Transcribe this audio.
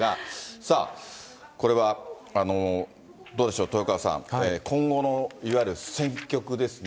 さあ、これはどうでしょう、豊川さん、今後のいわゆる戦局ですね。